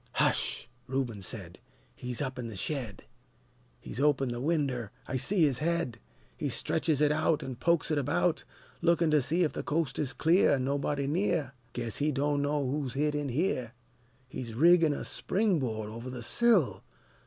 "Hush!" Reuben said, "He's up in the shed! He's opened the winder, I see his head! He stretches it out, an' pokes it about, Lookin' to see 'f the coast is clear An' nobody near: Guess he do'no' who's hid in here! He's riggin' a spring board over the sill!